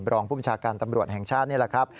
รองผู้บัญชาการตำรวจแห่งชาตินี่แหละครับ